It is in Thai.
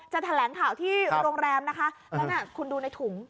แถลงข่าวที่โรงแรมนะคะแล้วน่ะคุณดูในถุง